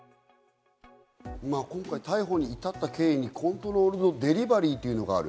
今回、逮捕に至った経緯に、コントロールド・デリバリーというのがある。